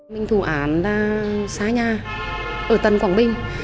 mình thủ án ra xa nhà ở tầng quảng binh